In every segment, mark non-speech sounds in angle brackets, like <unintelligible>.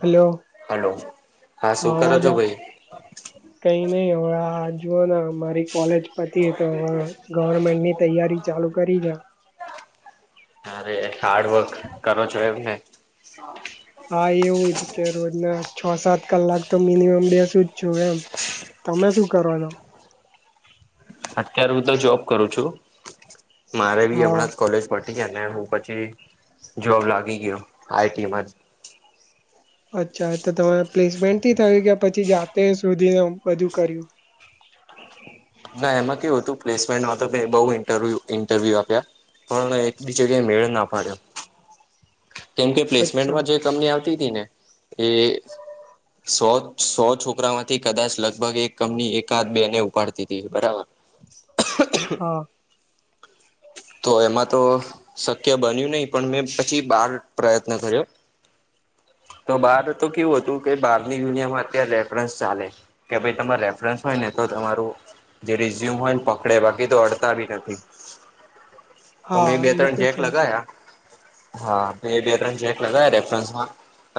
Hello hello હા હ શું કરો અવાજ છો ભાઈ કઈ નહી હોવે આ જુઓનેમ મારી કોલેજ પતિ તો હવે ગવર્મેન્ટ ની તૈયારી ચાલુ કરી છે. અરે હાર્ડવર્ક કરો છો એમને <unintelligible> હા એવું જ કે રોજના છ સાત કલાક તો મિનિમમ બેસું જ છું, એમ તમે શું કરો છો? અત્યારે હું તો જોબ કરું છું, મારે બી હા હમણાં કોલેજ પ હું પછી જોબ લાગી ગયો આઈટીમાં જ. અચ્છા એ તો તમે પ્લેસમેન્ટ થી થયું કે પછી જાતે સોઘી ને બધું કર્યું? જ ના એમાં કેવું હતું પ્લેસ તો બહુ ઇન્ટરવ્યૂ ઇન્ટરવ્યુ આપ્યા પણ એક બી જગ્યાએ મેળ ના પાડ્યો. કેમ કે અચ્છા પ્લેસમેન્ટમાં જે કંપની આવતી હતી ને એ સો સો છોકરા માંથી કદાચ લગભગ એક કંપની એકાદ બે ને ઉપાડતી હતી બરાબર હા. તો એમાં તો શક્ય બન્યું નહી પણ મેં પછી બાર પ્રયત્ન કર્યો તો બહાર તો કેવું હતું કે બહારની દુનિયામાં અત્યારે રેફરન્સ ચાલે કે ભાઈ તમારે રેફરન્સ હોય ને તો તમારું જે રિઝ્યુમ હોયને પકડે બાકી તો અડ સારી હતી. તો મેં હા બે એ ત્રણ તો જેક છે લગાયા હા મે બે ત્રણ જેક લગાયા રેફરન્સમાં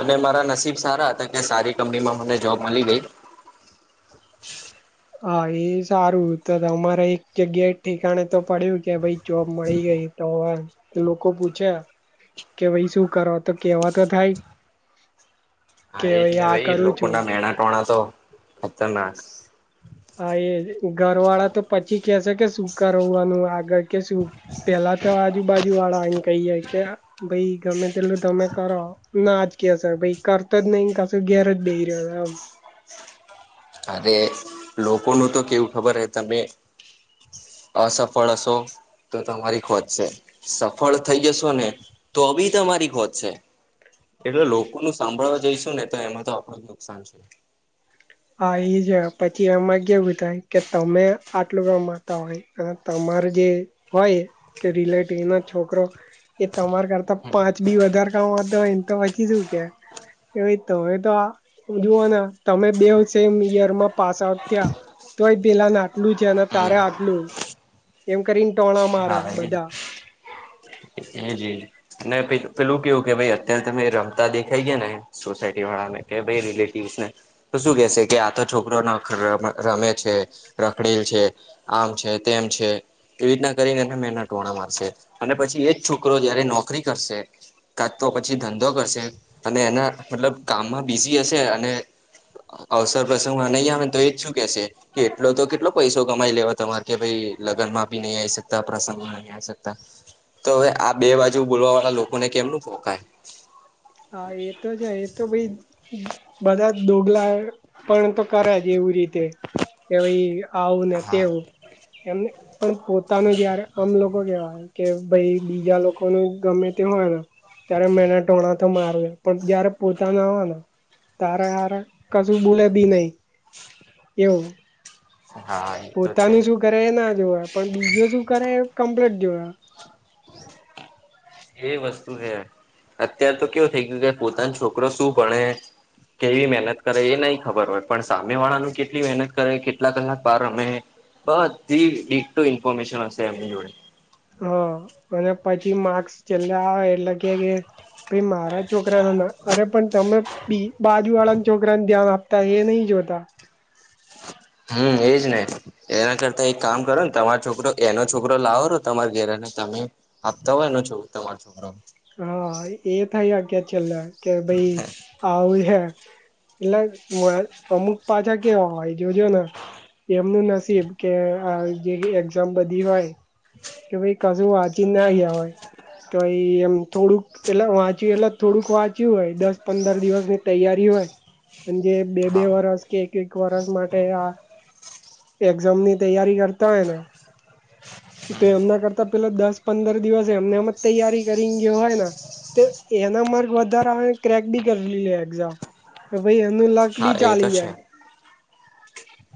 અને મારા નસીબ સારા હતા કે સારી કંપનીમાં મને જોબ મળી ગઈ હા એ સારું તો તમારે એક જગ્યાએ ઠેકાણે તો પડ્યું કે ભાઈ જોબ મળી ગઈ તો હવ લોકો પૂછે કે ભાઈ શું કરવા તો કેવા તો થાય હા કે એ જ ને આ ભાઈ કરું લોકો છું ના મેણા ટોણા તો ખતરનાક. હા એ ઘરવાળા તો પછી કે સે કે શું કરવાનું આગળ કે શું પેલા તો આજુબાજુ વાળા એને કહીએે કે ભાઈ ગમે તેટલું તમે કરો. ના આજ કેસે ભાઈ કરતા જ નહી કસુ ઘેર જ બેહી રહ્યો આમ અરે લોકોનું તો કેવું ખબર હ તમે અસફળ શો તો તમારી ખોજ છે સફળ થઈ જશો ને તો બી તમારી ખોજ છે એટલે લોકો ન સાંભળવા જઈશું ને તો એમાં તો આપણું જ નુકસાન છે હા એ જ પછી એમાં કેવું થાય કે તમે આટલું ગામતા હોય તમાર જે હોય કે રિલેટિવ ના છોકરો એ તમાર કરતા પાંચ બી વધારે કામતો હોય ને તો પચી શું કે એ ભ તમે તો આ જુઓ ને તમે દેવ સેમ યર માં પાસ આઉટ થયા તો પેલા નાટલું જેના હમ તારે આટલું એમ કરીને ટોણા મારે હા એજજ બધા એજજ ના પેલું કેવું કે ભાઈ અત્યારે તમે રમતા દેખાઈ ગયા ને સોસાયટી વાળા ને કે ભાઈ રિલેટિવસ ને તો શું કેશે કે આ તો છોકરો ના રમે છે રખડેલ છે આમ છે તેમ છે એવી રીતના કરીને એ મહેનત વણા મારશે અને પછી એજ છોકરો જયારે નોકરી કરશે કાચ તો પછી ધંધો કરશે અને એના મતલબ કામમાં બીઝી હશે અને અવસર પર શ નહીં આવે તો એજ શું કેશે કે એટલો તો કેટલો પૈસો કમાઈ લેવા તમારે કે ભાઈ લગ્નમાં ભી નહી આવી શકે પ્રસંગો નહીકતા તોવે આ બે બાજુ બોલવા વાળા લોકોને કેમનું ફોંકાય હા એ તો જ એ તો ભાઈ બધા જ દોગલા પણ તો કરે જ એવી રીતે કે ભાઈ આવું ને હા તેવું એમને પણ પોતાનું જયારે અમ લોકો કેવાય કે ભાઈ બીજા લોકો ન ગમે તે હોય ને ત્યારે મેને ટોણા તો માર પણ જયારે પોતાના હો ને તારે હાર કશું બોલે બી નહી એવું હા એ તો છે પોતાનું શું કરે એ ના જોવા પણ બીજું શું કરે એ કમ્પ્લીટ જોય એ વસ્તુ છે અત્યારે તો કેવું થઇ ગયું કે પોતાનો છોકરો શું ભણે કેવી મહેનત કરે એ નહી ખબર હોય પણ સામે વાળાનું કેટલી મહેનત કરે કેટલા કલાક બાર અમે બઘી ડીટો ઇન્ફોર્મેશ હશે એમની જોડે હા અને પછી માર્ક્સ છેલ્લે આવે એટલે કે કે ભાઈ મારા છોકરા ના ના અરે પણ તમે બી બા જુ વાળા ના છોકરાને ધ્યાન આપતા એ નહ જોતા હમ્મ એજ નહી એના કરતા એક કામ કરો ને તમારો છોકરો એનો છોકરો લાવોરો તમારા ઘેરે ને તમે આપતા હોય એનો છો તમાર છોકરો હા એ થઈ હકે છેલ્લે કે ભાઈ આઉ હે એટલે અમુક પાછા કેવા હોય જોજો ને એમનું નસીબ કે આ જેવી એક્ઝામ બધી હોય કે ભાઈ કશું વાચી ના જવાયે તો ઈ એમ થોડુંક એટલે વાંચ્યું એટલે થોડુંક વાંચ્યું હોય દસ પંદર દિવસ ની તૈયારી હોય જે બે બે હા વરસ કે એક એક વરસ માટે આ એક્ઝામ ની તૈયારી કરતા હોય ને તો એમના કરતા પેલા દસ પંદર દિવસ એમને એમ જ તૈયારી કરીને ગયો હોય તો એના માર્ક વધારે આવે ક્રેક બી કરી લે એક્ઝામ કે ભાઈ એનું લક હા બી ચાલી જાય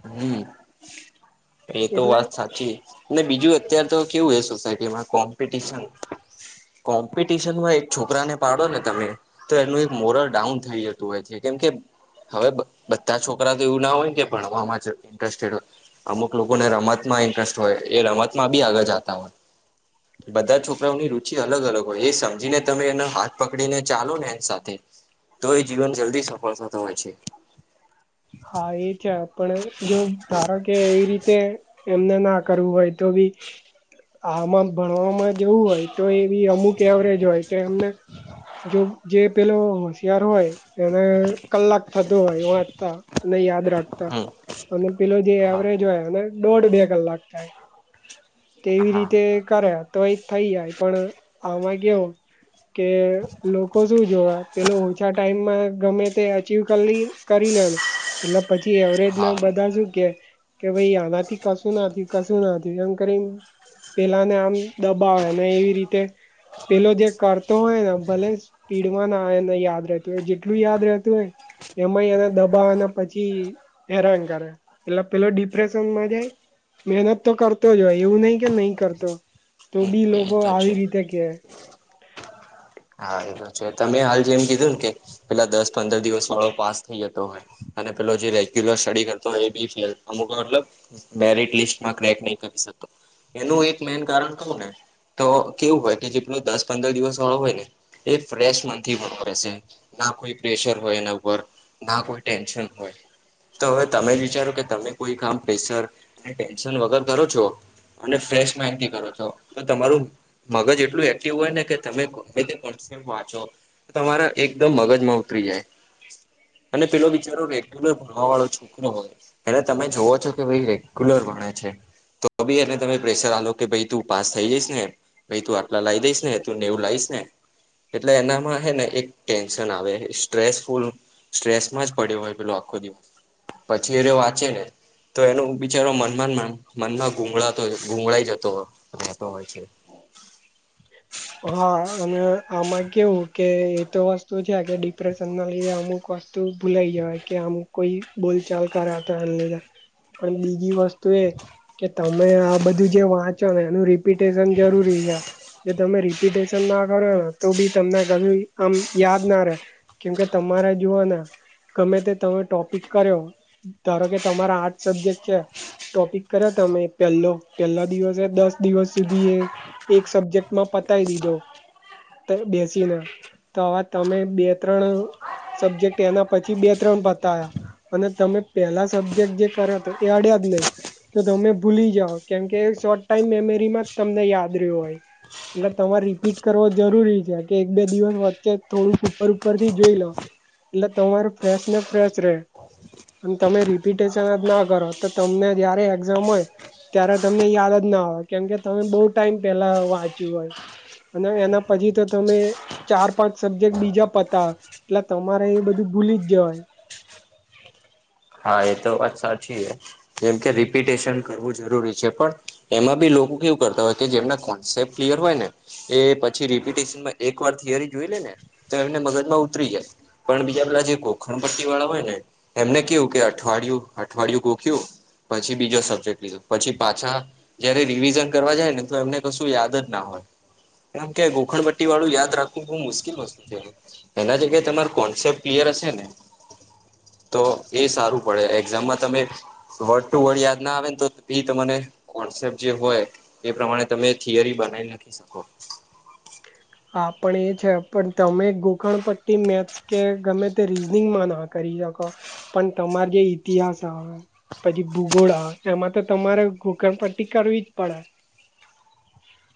હમ્મ એતો એટલે વાત સાચી બીજું અત્યાર તો કેવું હ સોસાયટીમાં કોમ્પિટશન કોમ્પિટિશન માં એક છોકરાને પાડો ને તમે તો એનું એક મોરલ ડાઉન થઈ જતું હોય છે કેમ કે હવે બધા છોકરા તો એવું ના હોય કે ભણવામાં જ ઇન્ટરેસ્ટેડ હોય અમુક લોકોને રમત માં ઇન્ટરેસ્ટ હોય એ રમતમાં બી આગળ જતા હોય બધા છોકરાઓની રુચિ પછી અલગ અલગ હોય એ સમજીને તમે એનો હાથ પકડીને ચાલો ને એની સાથે તો એ જીવન જલ્દી સફળ થતો હોય છે હા એ છે આપડે જો ધારો કે એવી રીતે એમને ના કરવું હોય તો બી આમાં ભણવામાં જવું હોય તો એવી અમુક એવરેજ હોય તો એમને જો જે પેલો હોશિયાર હોય એને કલાક થતો હોય વાંચતા અને યાદ રાખતા હમ અને પેલો જે હા એવરેજ હોય અને દોઢ બે કલાક થાય તેવી હા રીતે કરે તો એ થઈ જાય પણ આમાં કેવુ કે લોકો શું જોવે પેલો ઓછા ટાઈમમાં ગમે તે અચીવ કરી લ કરી લેને એટલે પછી એવરેજ ના હા બધા શું કે કે ભાઈ એ નથી કસું નથી કસું નથી કરીને પેલાને આમ દબાવે અને એવી રીતે પેલો જે કરતો હોય ને ભલે પીડમાં નાને યાદ રહેતું હોય જેટલું યાદ રહેતું હોય એમાંય એને દબા અને પછી હેરાન કરે એટલે પેલો ડિપ્રેશનમાં જાય મહેનત તો કર કરતો જય એવું નહીં કઈ નહીં કરતો તો ભી એ લોકો તો છે આવી રીતે કે હા એ તો છે તમે હાલ જેમ કીધું ને કે પેલા દસ પંદર દિવસ વાળો પાસ થઈ જતો હોય અને પેલો જે રેગ્યુલર સ્ટડી કરતોય એ બી ફેલ અમુક મતલબ મેરિટ લિસ્ટમાં ક્રેક નહી કરી શતો એનું એક મેન કારણ કવું ને તો કેવું હોય કે જેટલો દસ પંદર દિવસ વાળો હોય ને એ ફ્રેશ મનથી ભણે રહેશે ના કોઈ પ્રેશર હોય એના ઉપર ના કોઈ ટેન્શન હોય તો હવે તમે જ વિચારો કે તમે કોઈ કામ પ્રેસર ટેન્શન વગર કરો છો એટલે ફ્રેશ માઈંડતી કરો છો તો તમારું મગજ એટલું એક્ટિવ હોય ને કે તમે વાંચો તમારા એકદમ મગજમાં ઉતરી જાય અને પેલો બિચારો રેગ્યુલર ભણવા વાળો છોકરો હોય એટલે તમે જોવો છો કે ભાઈ રેગ્યુલર ભણે છે તો ભી એને તમે પ્રેશર આ લો કે ભાઈ તું પાસ થઈ જઈશ નેમ ભાઈ તું આટલા લાવી દઈશ ને તું નેવું લાવશ ને એટલે એનામાં હે ને એક ટેન્શન આવે સ્ટ્રેસફુલ સ્ટ્રેસમાં જ પડ્યો હોય પેલો આખો દિવસ પછી એ વાંચે ને તો એનો બિચારો મનમાં મનમાં ગૂગળાતો ગૂગળાઈ જતો રહેતો હોય છે હા અને આમાં કેવું કે એતો વસ્તુ છે કે ડિપ્રેશન ના લીધે અમુક વસ્તુ તો ભૂલાઈ જવાય કે આમ કોઈ બોલચાલ કરા તો એ લધર પણ બીજી વસ્તુ એ કે તમે આ બધું જે વાંચો ને એનું ર પિટેન જરૂરી હ તમે રિપિટેશન ના કરોને તો બી તમને ક આમ યાદ ના રે કેમકે તમારા જોુવાને ગમે તે તમે ટોપિક કર્યો ધારો કે તમારા આર્ટ સબ્જેક્ટ છે ટોપિક કર્યો તમે પહેલો પેલા દિવસે દસ દિવસ સુધી એ એક સબ્જેક્ટ માં પતાય દીધો બેસીને તો હવે તમે બે ત્રણ સબ્જેક્ટ એના પછી બે ત્રણ પતા્યા અને તમે પેલા સબ્જેક્ટ જે કર્યો હતો એ અડ્યા જ નહીિ તો તમે ભૂલી જાઓ કેમ કે શોર્ટ ટાઈમ મેમરીમાં જ તમને યાદ રહ્યું હોય. એટલે તમારે રીપીટ કરવો જરૂરી છે કે એક બે દિવસ વચ્ચે થોડુંક ઉપર ઉપર થી જોઈ લો. એટલે તમાર ફ્રેશ ને ફ્રેશ રે. અને તમે રિપિટેશન જ ના કરો તો તમને જયારે એક્ઝામ હોય. ત્યારે તમને યાદ જ ના આવે કેમ કે તમે બહુ ટાઈમ પેલા વાંચ્યું હોય. અને એના પછી તો તમે ચાર પાંચ સબ્જેક્ટ બીજા પતા. એટલે તમારે એ બધું ભૂલી જ જય. હા એ તો વાત સાચી છે જેમ કે રિપિટેશન કરવું જરૂરી છે પણ. એમાં બી લોકો કેવું કરતા હોય કે જેમના કોન્સેપ્ટ ક્લિયર હોય ને. એ પછી રિપિટેશનમાં એક વાર થિયરી જોઈ લે ને તો એમને મગજમાં ઉતરી જાય. પણ બીજા પેલા જે કોખણ પટ્ટી વાળા હોય ને એમને કેવું કે અઠવાડિયું અઠવાડિયું કોખિ્યું. પછી બીજો સબ્જેક્ટ લીધો પછી પાછા. જયારે રિવિઝન કરવા જાય ને તો એમને કશું યાદ જ ના હોય. એમ કે ગોખણપટ્ટી વાળું યાદ રાખવું બહુ મુશ્કેલ વસ્તુ છે એ. એના જગ્યાએ તમાર કોન્સેપ્ટ ક્લિયર હશે ને તો. એ સારું પડે એક્ઝામમાં તમે. વર્ડ ટુ વર્ડ યાદ ના આવે ને તો બી તને કોન્સેપ્ટ જે હોય. એ પ્રમાણે તમે થિયરી બનાવી નાખી શકો. હા પણ એ છે પણ તમે ગોખણ પટ્ટી મે. કે ગમે તે રીઝનિંગમાં ના કરી શકો પણ તમાર જે ઈતિહાસ હ. પછી ભૂગોળા એમાં તો તમારે ઘોકણ પટ્ટી કરવી જ પડે.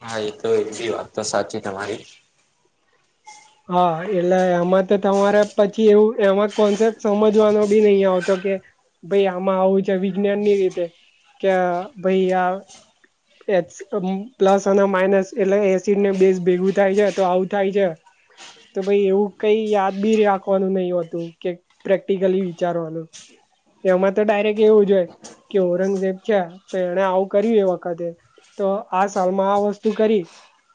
હા એ તો એી વાત તો સાચી તમારી. હા એટલે એમાં તો તમારે પછી એવું એમાં કોન્સેપ્ટ સમજવાનો બી નહીિ આવતો કે. ભાઈ આમાં આવું છે વિજ્ઞાન ની રીતે કે ભાઈ આ. પ્લસ અને માઇનસ એટલે એસિડ ને બેસ ભેગું થાય છે તો આવું થાય છે. તો ભાઈ એવું કઈ યાદ બી રાખવાનું નહીિ હોતું કે. પ્રેક્ટિકલી વિચારવાનું. એમાં તો ડાયરેક્ટ એવું જોઈ કે ઔરંગઝેબ છેયા તો એને આવું કર્યું એ વતે. તે તો આ સાલમાં આ વસ્તુ કરી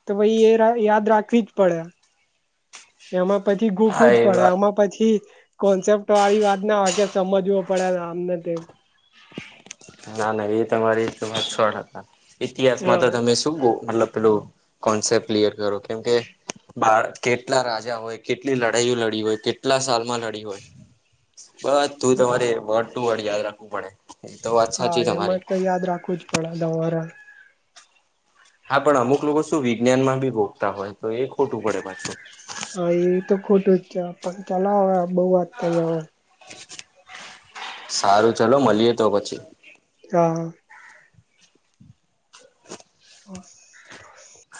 તો પાઈ એ યાદ રાખવી જ પડે. એમાં પછી હા ગોકું જ એ પડે વાત આમાં પછી. કોન્સેપ્ટ વાળી વાત ના વા કે સમજવો પડે આમને તેમ. ના ના એ તમારી વા છડ હતા ઇતિહાસમાં હા તો તમે શું કહ મતલબ પેલું. કોન્સેપ્ટ ક્લિયર કરો કેમ કે. બા કેટલા રાજા હોય કેટલી લડાઈઓ લડી હોય કેટલા સાલમાં લડી હોય. બસ તું તમારે વડ ટુ વર્ડ યાદ રાખવું પડે તો વાત સાચ. હા એમાં તો યાદ રાખવું જ પડે તમારે. હા પણ અમુક લોકો શું વિજ્ઞાન માં ભી ભોગતા હોય તો એ ખોટું પડે પાછું. હા એ તો ખોટું જ છે પણ ચાલ હવે બઉુ વાત થઈ હવે. સારું ચલો મળીએ તો પછી. હા. ઓ.